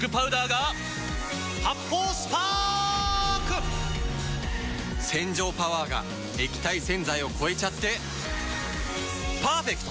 発泡スパーク‼洗浄パワーが液体洗剤を超えちゃってパーフェクト！